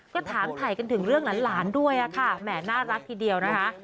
ก็ถามถ่ายกันถึงเรื่องหลานด้วยค่ะแหม่น่ารักทีเดียวนะคะ